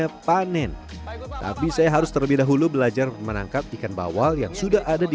saya panen tapi saya harus terlebih dahulu belajar menangkap ikan bawal yang sudah ada di